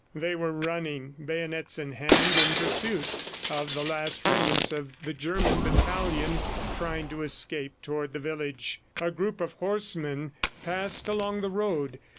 They were running, bayonets in hand, in pursuit of the last remnants of the German battalion trying to escape toward the village. A group of horsemen passed along the road.